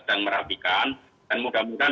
merapikan dan mudah mudahan